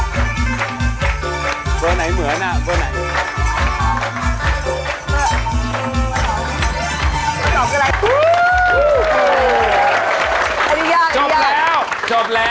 ทั้งหมดจบแล้วใช่หรือไม่จบ